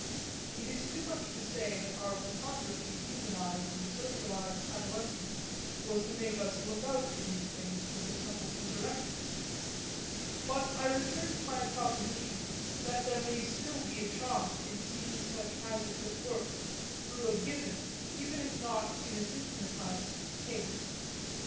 It is too much to say that our so preponderantly humanised and socialised adolescence was to make us look out for these things with a subtle indirectness; but I return to my proposition that there may still be a charm in seeing such hazards at work through a given, even if not in a systematised, case.